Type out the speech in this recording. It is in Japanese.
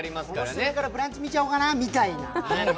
この人いるから「ブランチ」見ちゃおうかな、みたいな。